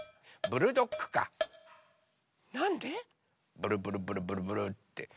ブルブルブルブルブルって。